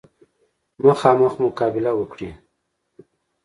مخامخ مقابله وکړي.